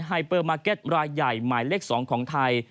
เปอร์มาร์เก็ตรายใหญ่หมายเลข๒ของไทย